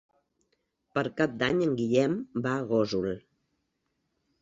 Per Cap d'Any en Guillem va a Gósol.